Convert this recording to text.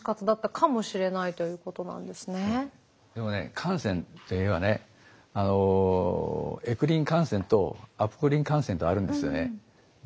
でもね汗腺っていうのはねエクリン汗腺とアポクリン汗腺とあるんですよね。